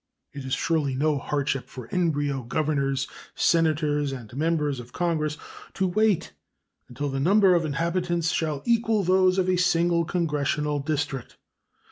It is surely no hardship for embryo governors, Senators, and Members of Congress to wait until the number of inhabitants shall equal those of a single Congressional district.